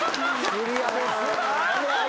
クリアです。